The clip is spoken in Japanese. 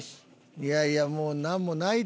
いやいやもうなんもないで。